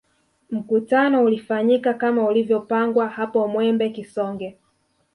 Mkutano ulifanyika kama ulivyopangwa hapo Mwembe Kisonge